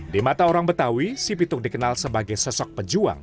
di mata orang betawi si pitung dikenal sebagai sosok pejuang